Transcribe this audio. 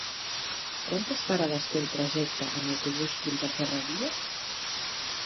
Quantes parades té el trajecte en autobús fins a Ferreries?